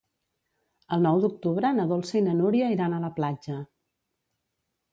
El nou d'octubre na Dolça i na Núria iran a la platja.